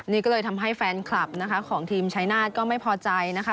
นี่ก็เลยทำให้แฟนคลับนะคะของทีมชายนาฏก็ไม่พอใจนะคะ